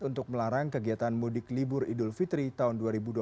untuk melarang kegiatan mudik libur idul fitri tahun dua ribu dua puluh